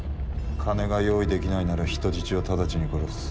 金が用意できないなら人質を直ちに殺す。